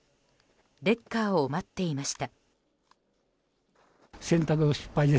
レッカーを待っていました。